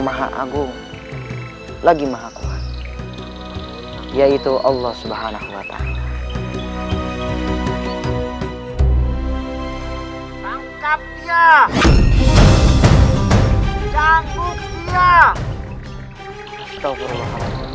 maha agung lagi maha kuat yaitu allah subhanahu wa ta'ala tangkap dia tanggung dia astagfirullah